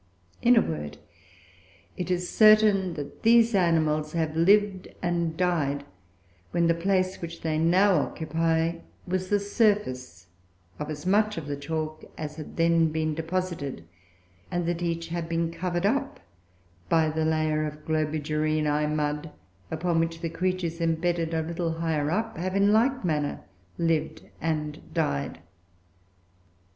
In a word, it is certain that these animals have lived and died when the place which they now occupy was the surface of as much of the chalk as had then been deposited; and that each has been covered up by the layer of Globigerina mud, upon which the creatures imbedded a little higher up have, in like manner, lived and died.